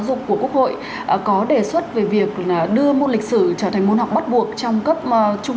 dục của quốc hội có đề xuất về việc đưa môn lịch sử trở thành môn học bắt buộc trong cấp trung